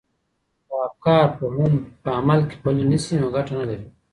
که افکار په عمل کي پلي نه سي نو ګټه نه لري.